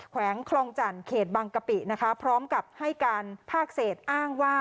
แวงคลองจันทร์เขตบางกะปินะคะพร้อมกับให้การภาคเศษอ้างว่า